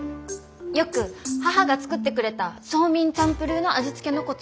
よく母が作ってくれたソーミンチャンプルーの味付けのコツを応用しました。